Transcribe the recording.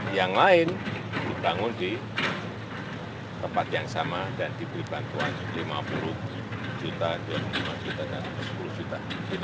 yang lain dibangun di tempat yang sama dan diberi bantuan rp lima puluh juta dua puluh lima juta dan sepuluh juta